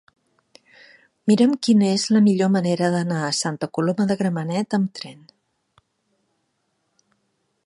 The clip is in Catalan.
Mira'm quina és la millor manera d'anar a Santa Coloma de Gramenet amb tren.